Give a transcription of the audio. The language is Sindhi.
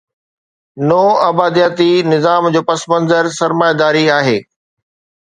نوآبادياتي نظام جو پس منظر سرمائيداري آهي.